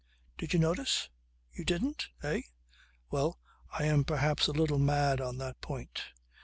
Did you notice? You didn't? Eh? Well I am perhaps a little mad on that point.